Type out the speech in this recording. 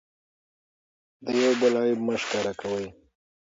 د یو بل عیب مه ښکاره کوئ.